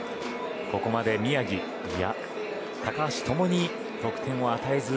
ここまで宮城高橋ともに得点を与えず。